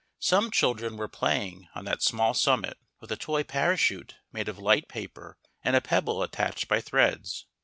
Some children were playing on that small summit with a toy parachute made of light paper and a pebble attached by threads.